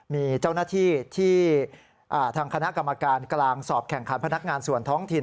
มีเจ้าหน้าที่ที่ทางคณะกรรมการกลางสอบแข่งขันพนักงานส่วนท้องถิ่น